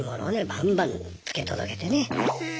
バンバン付け届けてね。